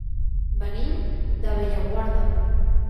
Venim de Bellaguarda.